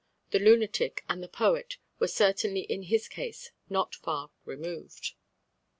The "lunatic" and the "poet" were certainly in his case not far removed.